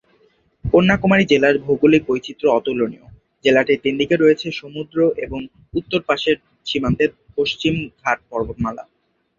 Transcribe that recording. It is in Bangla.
কন্যাকুমারী জেলার ভৌগোলিক বৈচিত্র্য অতুলনীয়, জেলাটির তিন দিকে রয়েছে সমুদ্র এবং উত্তর পাশের সীমান্তে পশ্চিম ঘাট পর্বতমালা।